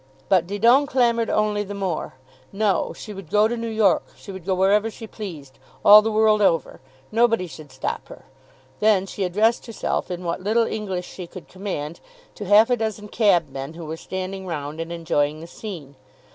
But Didon clamoured only the more. No; she would go to New York. She would go wherever she pleased, all the world over. Nobody should stop her. Then she addressed herself in what little English she could command to half a dozen cabmen who were standing round and enjoying the scene.